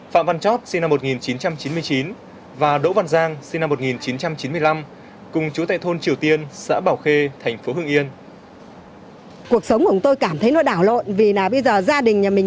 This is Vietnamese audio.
phạm văn chót sinh năm một nghìn chín trăm chín mươi chín và đỗ văn giang sinh năm một nghìn chín trăm chín mươi năm cùng chú tại thôn triều tiên xã bảo khê thành phố hưng yên